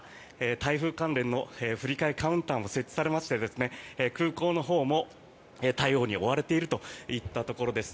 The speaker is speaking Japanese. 台風関連の振り替えカウンターも設置されまして空港のほうも対応に追われているといったところです。